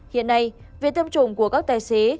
hiện nay việc tiêm chủng của các tài xế